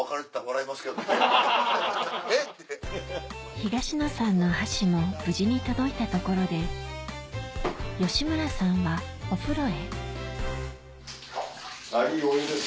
東野さんの箸も無事に届いたところであっいいお湯です。